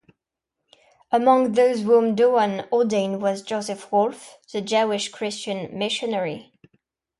Among those whom Doane ordained was Joseph Wolff, the Jewish Christian missionary.